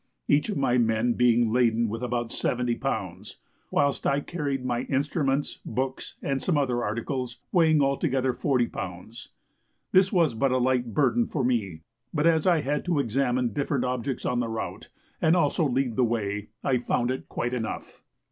each of my men being laden with about 70 lbs., whilst I carried my instruments, books, and some other articles, weighing altogether 40 lbs. This was but a light burden for me, but as I had to examine different objects on the route, and also to lead the way, I found it quite enough.